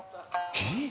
えっ？